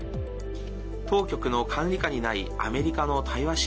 当局の管理下にない、アメリカの対話式